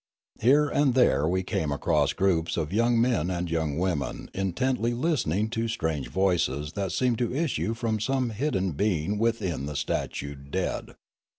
Here and there we came across groups of young men and young women intently listening to strange voices that seemed to issue from some hidden being within the statued dead.